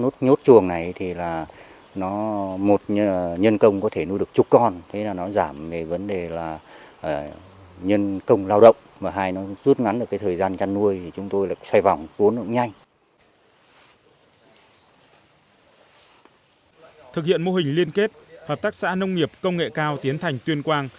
thực hiện mô hình liên kết hợp tác xã nông nghiệp công nghệ cao tiến thành tuyên quang